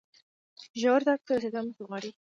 ژور درک ته رسیدل مرسته غواړي.